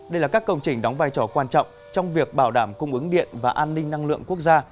đây là các công trình đóng vai trò quan trọng trong việc bảo đảm cung ứng điện và an ninh năng lượng quốc gia